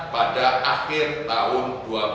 pada akhir tahun dua ribu dua puluh